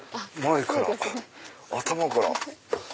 前から頭から。